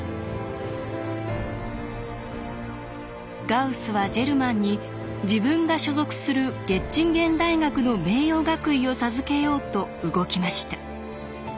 ガウスはジェルマンに自分が所属するゲッチンゲン大学の名誉学位を授けようと動きました。